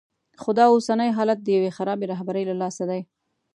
خو دا اوسنی حالت د یوې خرابې رهبرۍ له لاسه دی.